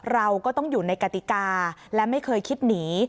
เราก็ต้องอยู่ในกติกาและไม่เคยคิดหนี